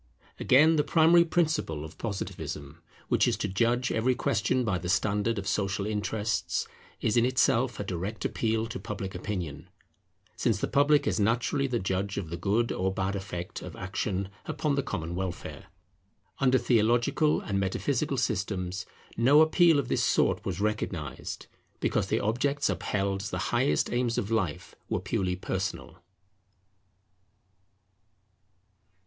Again, the primary principle of Positivism, which is to judge every question by the standard of social interests, is in itself a direct appeal to Public Opinion; since the public is naturally the judge of the good or bad effect of action upon the common welfare. Under theological and metaphysical systems no appeal of this sort was recognized; because the objects upheld as the highest aims of life were purely personal.